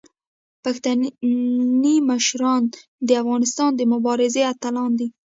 پښتني مشران د افغانستان د مبارزې اتلان دي.